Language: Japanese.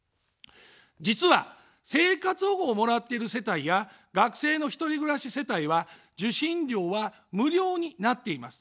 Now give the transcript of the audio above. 実は、生活保護をもらっている世帯や学生の１人暮らし世帯は受信料は無料になっています。